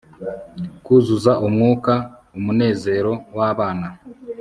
kuzuza umwuka umunezero wabana